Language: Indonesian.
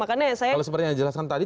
kalau seperti yang dijelaskan tadi